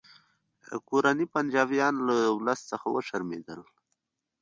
کورني پنجابیان له ولس څخه وشرمیدل